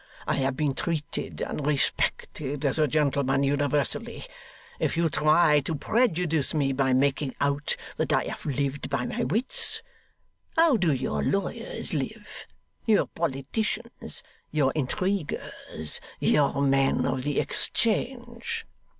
I have been treated and respected as a gentleman universally. If you try to prejudice me by making out that I have lived by my wits how do your lawyers live your politicians your intriguers your men of the Exchange?